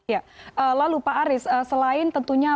ya lalu pak aris selain tentunya